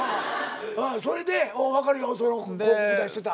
それで分かるよ広告出してた。